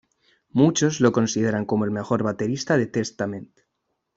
Muchos lo consideran como el mejor baterista de Testament